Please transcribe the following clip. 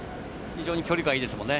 非常に距離感いいですよね。